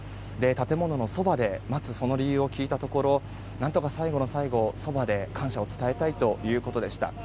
建物のそばで待つその理由を聞いたところ何とか最後の最後そばで感謝を伝えたいということでした。